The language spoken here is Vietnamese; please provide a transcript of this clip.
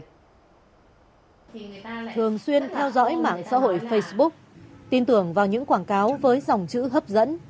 thường xuyên theo dõi mạng xã hội facebook tin tưởng vào những quảng cáo với dòng chữ hấp dẫn